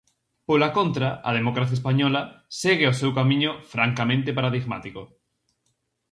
Pola contra, a democracia española segue o seu camiño francamente paradigmático.